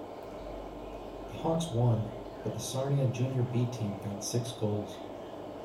The Hawks won, but the Sarnia Junior 'B' team got six goals.